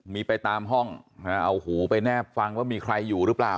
มีไปตามห้องเอาหูไปแนบฟังว่ามีใครอยู่หรือเปล่า